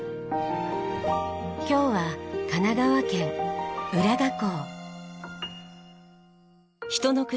今日は神奈川県浦賀港。